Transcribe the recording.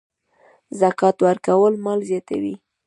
زکات ورکول مال زیاتوي.